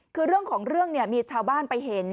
คือเรื่องของเรื่องเนี่ยมีชาวบ้านไปเห็น